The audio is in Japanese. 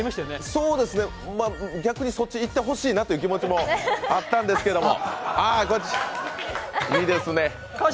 そうですね、逆にそっちいってほしいなという気持ちもあったんですけども。